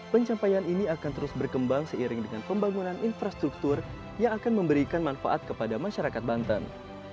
pencapaian ini akan terus berkembang seiring dengan pembangunan infrastruktur yang akan memberikan manfaat kepada masyarakat banten